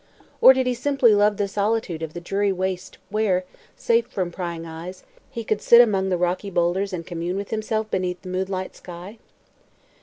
Or did he simply love the solitude of the dreary waste where, safe from prying eyes, he could sit among the rocky boulders and commune with himself beneath the moonlit sky?